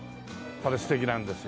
これ素敵なんですよ。